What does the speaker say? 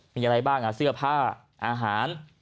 มีอะไรบ้างเสื้อผ้าอาหาร